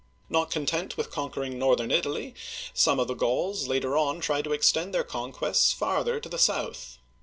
Not content with conquering northern Italy, some of the Gauls later on tried to extend their conquests farther to the south.